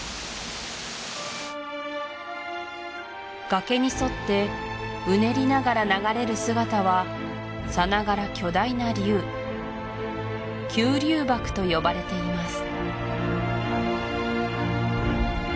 崖に沿ってうねりながら流れる姿はさながら巨大な龍九龍瀑と呼ばれています